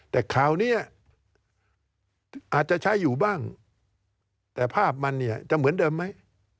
แต่คราวนี้อาจจะใช้อยู่บ้างแต่ภาพมันเนี่ยจะเหมือนเดิมไหม